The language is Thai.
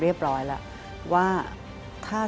เพราะว่าเรามีลมหายใจเดียวกัน